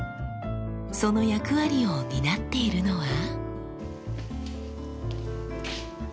その役割を担っているのは。